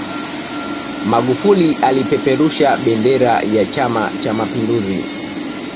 magufuli alipeperusha bendera ya chama cha mapinduzi